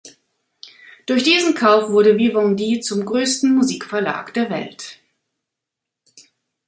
Durch diesen Kauf wurde Vivendi zum größten Musikverlag der Welt.